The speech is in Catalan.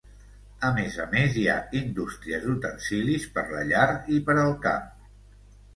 A més a més hi ha indústries d'utensilis per la llar i per al camp.